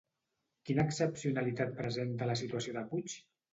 Quina excepcionalitat presenta la situació de Puig?